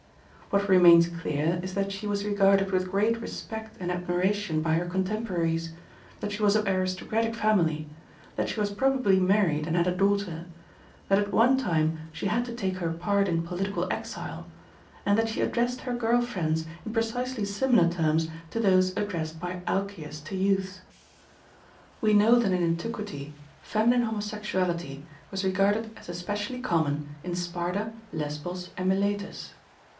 What remains clear is that she was regarded with great respect and admiration by her contemporaries, that she was of aristocratic family, that she was probably married and had a daughter, that at one time she had to take her part in political exile, and that she addressed her girl friends in precisely similar terms to those addressed by Alcaeus to youths. We know that in antiquity feminine homosexuality was regarded as especially common in Sparta, Lesbos, and Miletus.